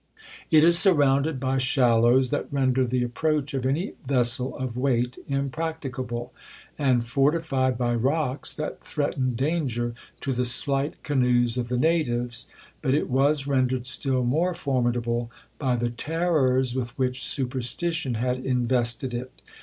It is surrounded by shallows that render the approach of any vessel of weight impracticable, and fortified by rocks that threatened danger to the slight canoes of the natives, but it was rendered still more formidable by the terrors with which superstition had invested it.